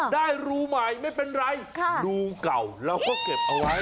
รูใหม่ไม่เป็นไรรูเก่าเราก็เก็บเอาไว้